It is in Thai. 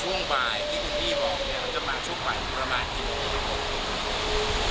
ช่วงบ่ายที่คุณพี่บอกเนี่ยเขาจะมาช่วงบ่ายประมาณกี่โมง